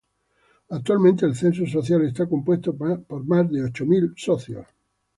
Actualmente el censo social está compuesto por más de ocho mil socios.